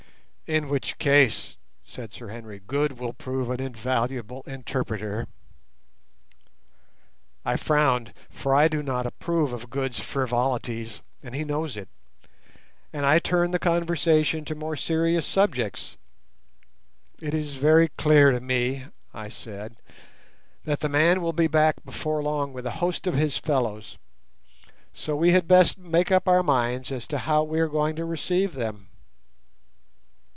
"In which case," said Sir Henry, "Good will prove an invaluable interpreter." I frowned, for I do not approve of Good's frivolities, and he knows it, and I turned the conversation to more serious subjects. "It is very clear to me," I said, "that the man will be back before long with a host of his fellows, so we had best make up our minds as to how we are going to receive them."